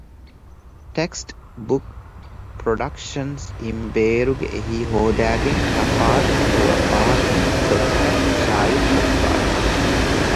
ޓެކްސްޓް ބުކް ޕްރޮޑަކްޝަންސް އިން ބޭރުގެ އެހީ ހޯދައިގެން ތަފާތު ނުވަ ބަހަކުން ފޮަތްތައް ޝާއިއު ކޮށްފައިވެ